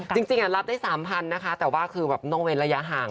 จริงรับได้๓๐๐นะคะแต่ว่าคือแบบต้องเว้นระยะห่าง